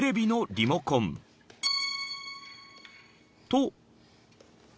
［と］